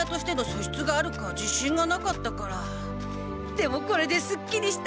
でもこれですっきりした！